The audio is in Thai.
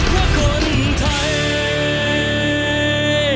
เราจะเชียร์บนไทย